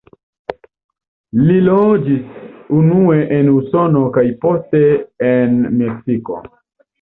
Li loĝis unue en Usono kaj poste en Meksiko.